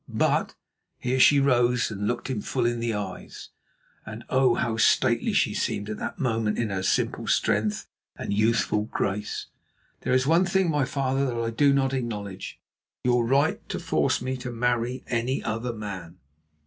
But"—here she rose and looked him full in the eyes, and oh! how stately she seemed at that moment in her simple strength and youthful grace!—"there is one thing, my father, that I do not acknowledge—your right to force me to marry any other man.